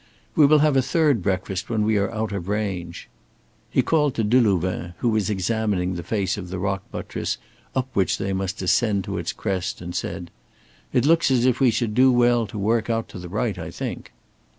"We will have a third breakfast when we are out of range." He called to Delouvain who was examining the face of the rock buttress up which they must ascend to its crest and said: "It looks as if we should do well to work out to the right I think."